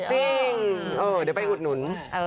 จริงเดี๋ยวไปอุดหนุน